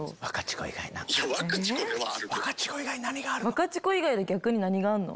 ワカチコ以外で逆に何があるの？